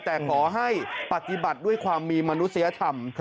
แต่ขอให้ปฏิบัติด้วยความมีมนุษยธรรม